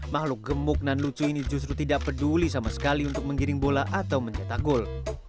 makhluk gemuk dan lucu ini justru tidak peduli sama sekali untuk menggiring bola atau mencetak gol